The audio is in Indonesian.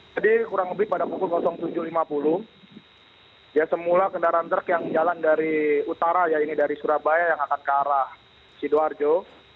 jadi kurang lebih pada pukul tujuh lima puluh ya semula kendaraan truk yang jalan dari utara ya ini dari surabaya yang akan ke arah sidoarjo